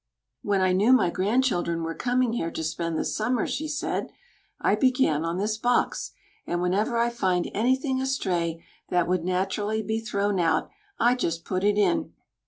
"When I knew my grandchildren were coming here to spend the summer," she said, "I began on this box, and whenever I find anything astray that would naturally be thrown out I just put it in."